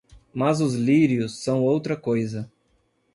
Mas os lírios são outra coisa.